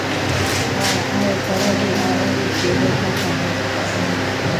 Ha ahechásapy'a ogyke hesakãha.